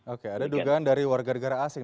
oke ada dugaan dari warga negara asing